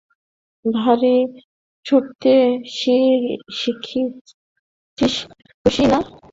ভারি ছুটতে শিখিচিস খুঁকি না?